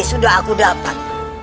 sudah aku dapat